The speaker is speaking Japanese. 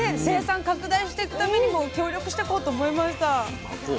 生産拡大していくためにも協力してこうと思いました。